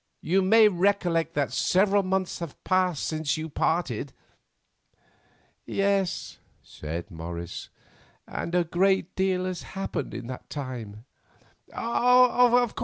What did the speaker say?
You may recollect that several months have passed since you parted." "Yes," said Morris, "and a great deal has happened in that time."